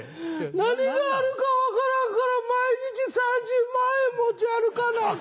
何があるか分からんから毎日３０万円持ち歩かなアカン。